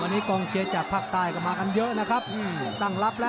วันนี้กองเชียร์จากภาคใต้กลับมากันเยอะนะครับ